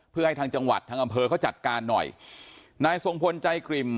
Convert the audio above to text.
เพื่อให้ทางจังหวัดทางอำเภอเขาจัดการหน่อยนายทรงพลใจกริ่ม